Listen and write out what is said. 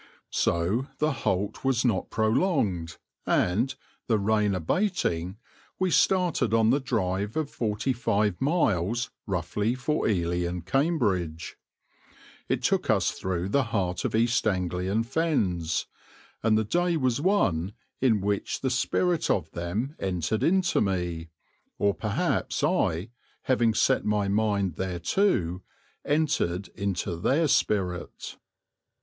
So the halt was not prolonged and, the rain abating, we started on the drive of forty five miles roughly for Ely and Cambridge. It took us through the heart of the East Anglian Fens, and the day was one in which the spirit of them entered into me, or perhaps I, having set my mind thereto, entered into their spirit.